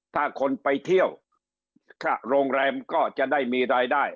ถ้าคนไปเที่ยวโรงแรมก็จะได้มีรายได้